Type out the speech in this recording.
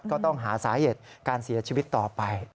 ก็ต้องหาสาเหตุการเสียชีวิตต่อไป